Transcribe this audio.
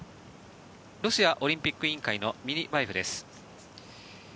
ロシアオリンピック委員会のミニバエフです。